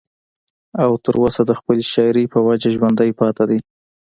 او تر اوسه د خپلې شاعرۍ پۀ وجه ژوندی پاتې دی